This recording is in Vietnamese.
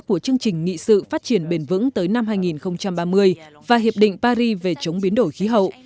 của chương trình nghị sự phát triển bền vững tới năm hai nghìn ba mươi và hiệp định paris về chống biến đổi khí hậu